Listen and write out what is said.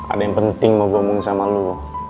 ada yang penting mau gue omongin sama lo